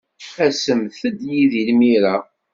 Asemt-d yid-i imir-a.